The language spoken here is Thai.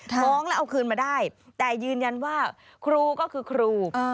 ฟ้องแล้วเอาคืนมาได้แต่ยืนยันว่าครูก็คือครู